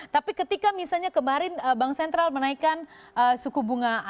tapi ketika misalnya kemarin bank sentral menaikkan suku bunga